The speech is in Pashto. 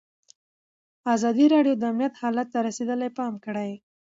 ازادي راډیو د امنیت حالت ته رسېدلي پام کړی.